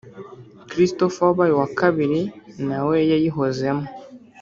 Christopher wabaye uwa kabiri nawe yayihozemo